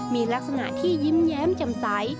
มีลักษณะที่ยิ้มแย้มแจ่มใส